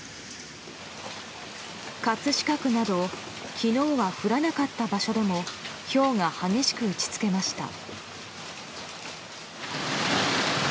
葛飾区など昨日は降らなかった場所でもひょうが激しく打ち付けました。